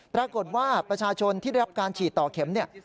ปรากฏว่าประชาชนที่ได้รับการฉีดต่อเข็มเนี่ย